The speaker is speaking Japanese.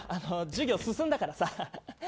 授業、進んだからさ。